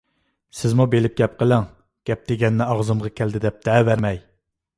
سىزمۇ بىلىپ گەپ قىلىڭ! گەپ دېگەننى ئاغزىمغا كەلدى دەپ دەۋەرمەي!